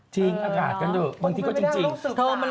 จริงอากาศกันเถอะบางทีก็จริงเธอมันเละเทะมาก